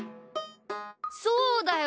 そうだよ！